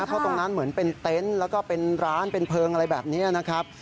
เพราะตรงนั้นเหมือนเป็นเต็นต์แล้วก็เป็นร้านเป็นเพลิงอะไรแบบนี้นะครับ